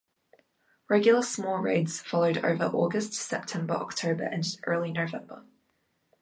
Regular small raids followed over August, September, October and early November.